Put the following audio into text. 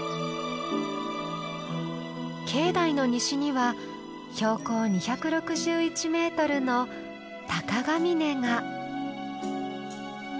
境内の西には標高２６１メートルの鷹ヶ峰が。